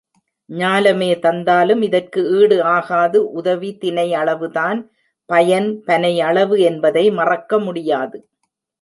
ஞாலமே தந்தாலும் இதற்கு ஈடு ஆகாது உதவி தினை அளவுதான் பயன் பனை அளவு என்பதை மறக்க முடியாது.